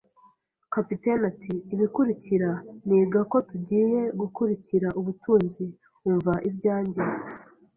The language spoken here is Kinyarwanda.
Kapiteni ati: "Ibikurikira, niga ko tugiye gukurikira ubutunzi - umva ibyanjye